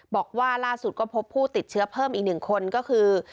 บอกว่าล่าสุดก็พบผู้ติดเชื้อเพิ่มอีก๑คนก็คือ